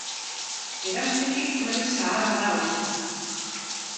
Berastegi herri zaharra da oso.